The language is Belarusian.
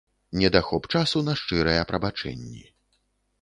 Недахоп часу на шчырыя прабачэнні.